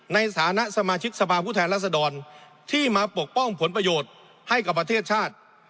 ในฐานะสมาชิกสภาพผู้แทนรัศดรที่มาปกป้องผลประโยชน์ให้กับประเทศชาติ